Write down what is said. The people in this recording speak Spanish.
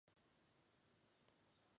He tenido una gran vida".